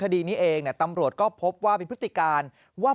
คดีนี้เองตำรวจก็พบว่ามีพฤติการว่า